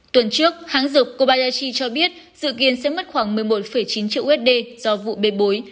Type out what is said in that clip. tuần trước hãng dược kobayachi cho biết dự kiến sẽ mất khoảng một mươi một chín triệu usd do vụ bê bối